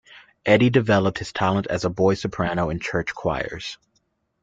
Eddy developed his talent as a boy soprano in church choirs.